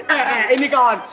eh eh ini kawan